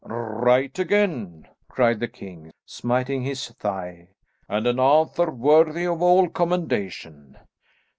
"Right again," cried the king, smiting his thigh, "and an answer worthy of all commendation.